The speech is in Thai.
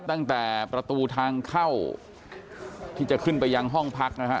ตั้งแต่ประตูทางเข้าที่จะขึ้นไปยังห้องพักนะฮะ